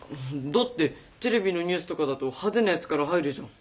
だってテレビのニュースとかだと派手なやつから入るじゃん。